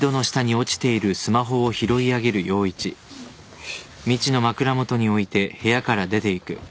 はい。